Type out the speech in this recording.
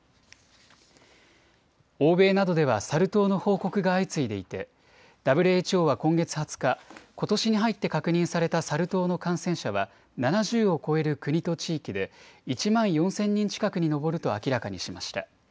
欧米などではサル痘の報告が相次いでいてＷＨＯは今月２０日、ことしに入って確認されたサル痘の感染者は７０を超える国と地域で１万４０００人近くに上ると明らかにしました。